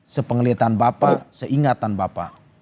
sepenggelitan bapak seingatan bapak